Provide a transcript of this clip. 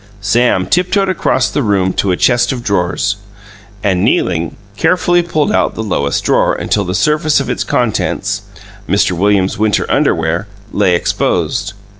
Sam tiptoed across the room to a chest of drawers, and, kneeling, carefully pulled out the lowest drawer until the surface of its contents Mr. Williams' winter underwear lay exposed.